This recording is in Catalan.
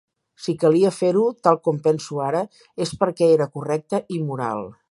Si calia fer-ho, tal com penso ara, és perquè era correcte i moral.